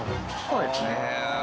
そうですね。